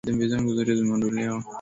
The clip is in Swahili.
Dhambi zangu zote zimeondolewa,